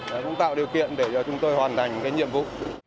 và cũng tạo điều kiện để cho chúng tôi hoàn thành cái nhiệm vụ